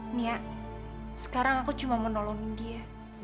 nia sekarang aku cuma menolongin dia